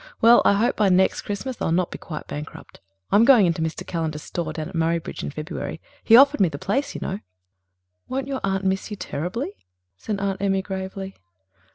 Well, I hope by next Christmas I'll not be quite bankrupt. I'm going into Mr. Callender's store down at Murraybridge in February. He has offered me the place, you know." "Won't your aunt miss you terribly?" said Aunt Emmy gravely.